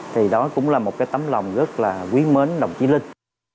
thì đó cũng là một cái tấm lòng rất là quý mến đồng chí linh